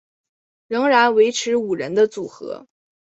仍然维持五人的组合。